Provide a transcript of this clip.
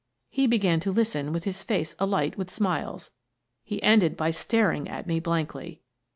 He began to listen with his face alight with smiles ; he ended by staring at me blankly.